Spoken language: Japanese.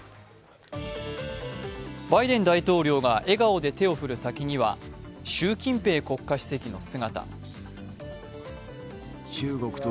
バイデン大統領が笑顔で手を振る先には習近平国家主席の姿。